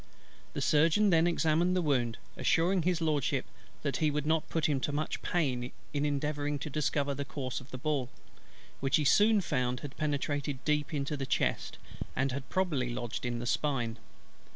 The Surgeon then examined the wound, assuring His LORDSHIP that he would not put him to much pain in endeavouring to discover the course of the ball; which he soon found had penetrated deep into the chest, and had probably lodged in the spine.